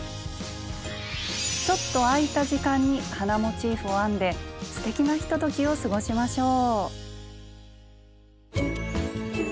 ちょっと空いた時間に花モチーフを編んですてきなひとときを過ごしましょう！